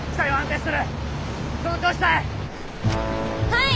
はい。